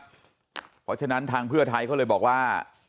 เพราะฉะนั้นทางเพื่อไทยเขาเลยบอกว่า